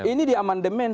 ini di aman demen